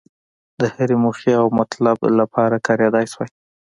د هرې موخې او مطلب لپاره کارېدلای شوای.